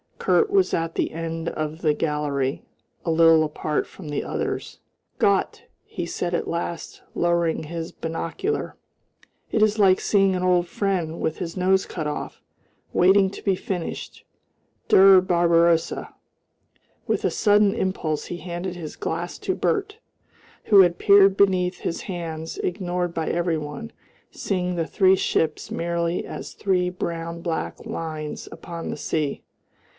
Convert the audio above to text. Kurt was at the end of the gallery, a little apart from the others. "Gott!" he said at last, lowering his binocular, "it is like seeing an old friend with his nose cut off waiting to be finished. Der Barbarossa!" With a sudden impulse he handed his glass to Bert, who had peered beneath his hands, ignored by every one, seeing the three ships merely as three brown black lines upon the sea.